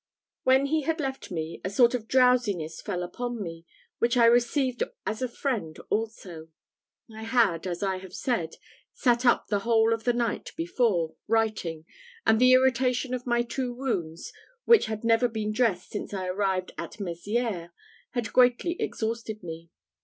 When he had left me, a sort of drowsiness fell upon me, which I received as a friend also. I had, as I have said, sat up the whole of the night before, writing, and the irritation of my two wounds, which had never been dressed since I arrived at Mezières, had greatly exhausted me.